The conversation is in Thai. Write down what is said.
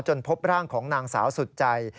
พบร่างของนางสาวสุดใจ